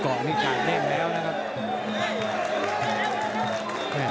ก็โอกเงี่ยกลวงตามเล่มแล้วนะครับ